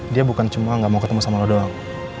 dia bukan cuma gak mau ketemu sama lo doang